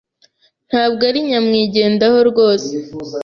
Ntabwo ari nyamwigendaho rwose